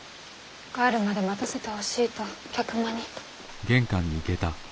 帰るまで待たせてほしいと客間に。